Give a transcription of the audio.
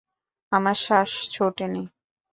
আমার শ্বাস ছোটেনি।